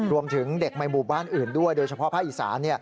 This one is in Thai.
รวมถึงเด็กในหมู่บ้านอื่นด้วยโดยเฉพาะภาคอีสาน